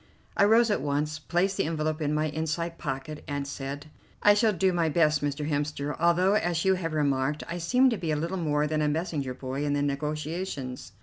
I rose at once, placed the envelope in my inside pocket, and said: "I shall do my best, Mr. Hemster, although, as you have remarked, I seem to be little more than a messenger boy in the negotiations."